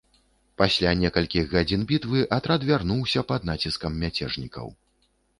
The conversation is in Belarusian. Пасля некалькіх гадзін бітвы атрад вярнуўся пад націскам мяцежнікаў.